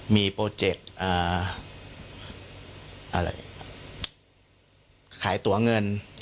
มีตัวเงินที่ขายตัวเงิน